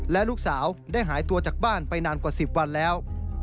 และลูกสาวได้หายตัวจากบ้านไปนานกว่า๑๐วันแล้ว